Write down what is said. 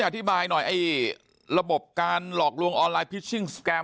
ทราบแล้วครับ